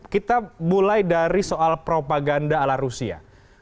kita mulai dari soal propaganda ala rusia